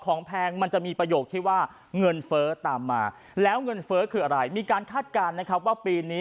แพงมันจะมีประโยคที่ว่าเงินเฟ้อตามมาแล้วเงินเฟ้อคืออะไรมีการคาดการณ์นะครับว่าปีนี้